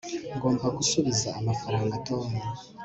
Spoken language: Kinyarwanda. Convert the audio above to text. ngomba gusubiza amafaranga tom